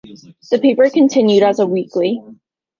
The paper continued as a weekly.